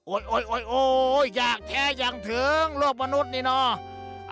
โอ๊ยอยากแท้อย่างถึงโลกมนุษย์นี่เนาะ